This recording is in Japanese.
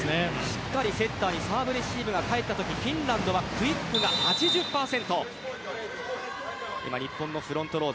しっかりセッターにサーブレシーブが返ったときにフィンランドはクイックが８０％。